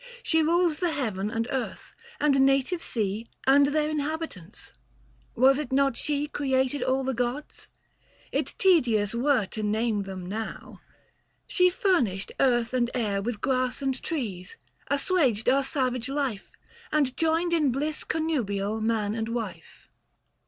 She rules the Heaven and earth, and native sea And their inhabitants : was it not she 105 Created all the gods ? it tedious were To name them now ; she furnished earth and air With grass and trees : assuaged our savage life, And joined in bliss connubial, man and wife.